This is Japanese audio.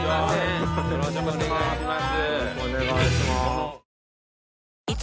よろしくお願いします。